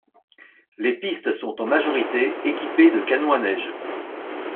Les pistes sont en majorité équipées de canons à neige.